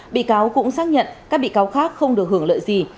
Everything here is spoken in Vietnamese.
bị cáo cũng xác nhận các bị cáo khác không được hưởng lợi gì